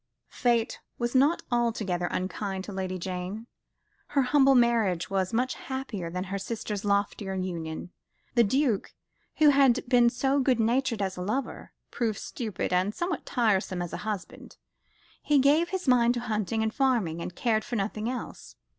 Fate was not altogether unkind to Lady Jane. Her humble marriage was much happier than her sister's loftier union. The Duke, who had been so good natured as a lover, proved stupid and somewhat tiresome as a husband. He gave his mind to hunting and farming, and cared for nothing else.